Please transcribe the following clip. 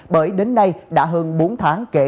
bởi đến nay đã hơn bốn tháng kể chuyện